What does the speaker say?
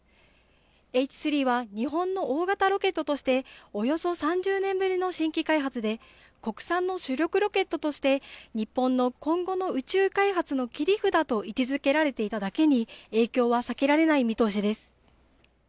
Ｈ３は日本の大型ロケットとしておよそ３０年ぶりの新規開発で国産の主力ロケットとして日本の今後の宇宙開発の切り札と位置づけられていただけに影響は避けられない見通しです。